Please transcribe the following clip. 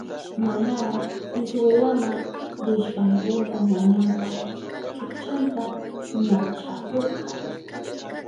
Manara iskwelama rishpankuna ñañanpa chukchanta ñakchahurka.